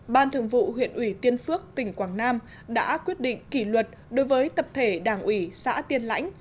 ban thường vụ huyện ủy tiên phước tỉnh quảng nam đã quyết định kỷ luật đối với tập thể đảng ủy xã tiên lãnh